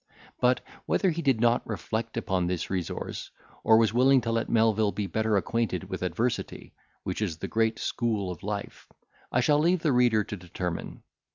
But, whether he did not reflect upon this resource, or was willing to let Melvil be better acquainted with adversity, which is the great school of life, I shall leave the reader to determine.